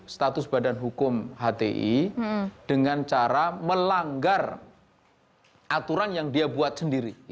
status badan hukum hti dengan cara melanggar aturan yang dia buat sendiri